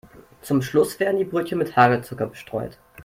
Zum Schluss werden die Brötchen mit Hagelzucker bestreut.